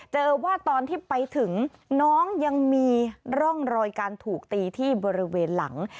ว่าตอนที่ไปถึงน้องยังมีร่องรอยการถูกตีที่บริเวณหลัง